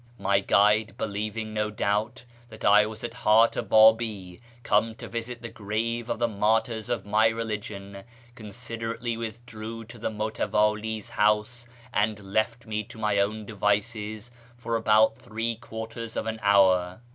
My guide, believing, no doubt, that I was at heart a Babi come to visit the graves of the martyrs of my religion, con siderately withdrew to the mutawdlis house and left me to my own devices for about three quarters of an hour.